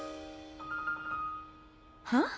はあ？